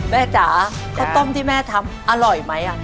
จ๋าข้าวต้มที่แม่ทำอร่อยไหม